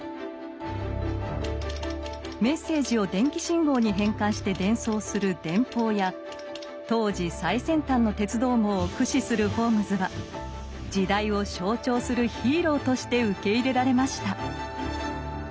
メッセージを電気信号に変換して伝送する電報や当時最先端の鉄道網を駆使するホームズは時代を象徴するヒーローとして受け入れられました。